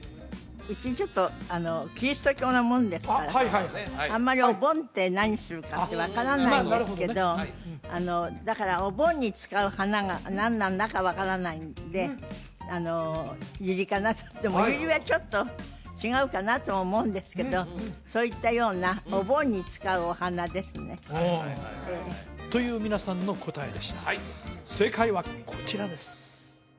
うちちょっとキリスト教なもんですからあまりお盆って何するかって分からないんですけどだからお盆に使う花が何なんだか分からないんであのユリかなとでもユリはちょっと違うかなとも思うんですけどそういったようなお盆に使うお花ですねという皆さんの答えでした正解はこちらです